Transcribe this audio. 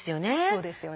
そうですよね。